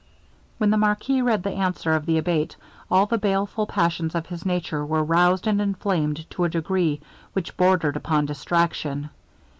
When the marquis read the answer of the Abate, all the baleful passions of his nature were roused and inflamed to a degree which bordered upon distraction.